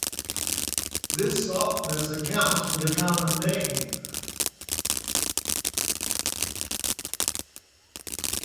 This softness accounts for the common name.